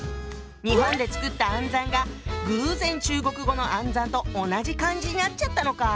日本でつくった「暗算」が偶然中国語の「暗算」と同じ漢字になっちゃったのか。